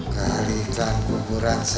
kalikan kuburan saya